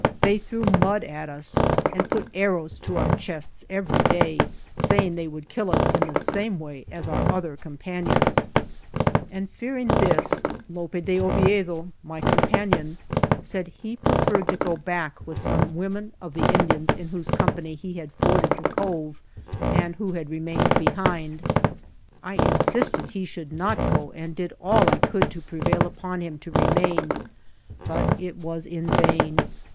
They threw mud at us, and put arrows to our chests every day, saying they would kill us in the same way as our other companions. And fearing this, Lope de Oviedo, my com 78 ALVAR NUNEZ CABEZA DE VACA panion, said he preferred to go back, with some women of the Indians in whose com pany we had forded the cove and who had remained behind. I insisted he should not go and did all I could to prevail upon him to remain, but it was in vain.